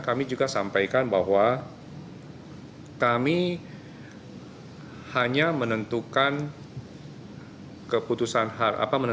kami juga sampaikan bahwa kami hanya menentukan keputusan